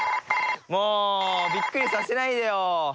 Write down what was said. もうびっくりさせないでよ。